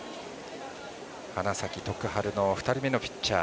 花咲徳栄の２人目のピッチャー